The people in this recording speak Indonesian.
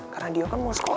karena dio kan mau sekolah